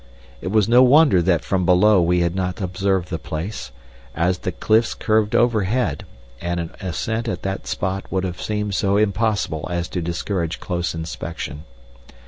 It was no wonder that from below we had not observed the place, as the cliffs curved overhead and an ascent at the spot would have seemed so impossible as to discourage close inspection.